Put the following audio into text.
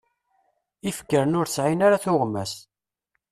Ifekren ur sɛin ara tuɣmas.